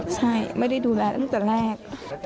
ใช่ไม่ได้ดูแลตั้งแต่แรก